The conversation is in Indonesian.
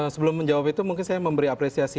sebelum menjawab itu mungkin saya memberi apresiasi